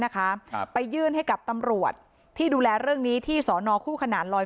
นะครับไปยื่นให้กับตำรวจที่ดูแลเรื่องนี้ที่สอนอคู่ขนานลอย